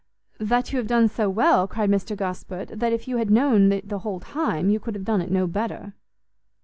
"That you have done so well," cried Mr Gosport, "that if you had known it the whole time, you could have done it no better."